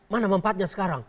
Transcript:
mana mempatnya sekarang